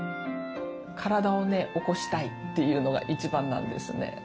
体をね起こしたいっていうのが一番なんですね。